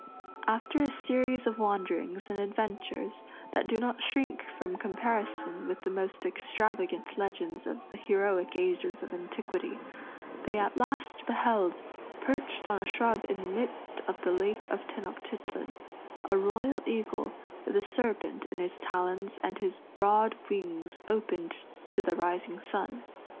After a series of wanderings and adventures that do not shrink from comparison with the most extravagant legends of the heroic ages of antiquity, they at last beheld perched on a shrub in the midst of the lake of Tenochtitlan a royal eagle with a serpent in his talons and his broad wings opened to the rising sun.